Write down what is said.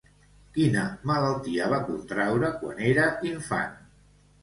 Quina malaltia va contraure quan era infant?